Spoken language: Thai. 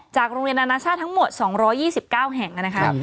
โรงเรียนนานาชาติทั้งหมด๒๒๙แห่งนะครับ